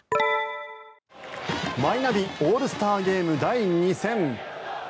マイナビオールスターゲーム第２戦。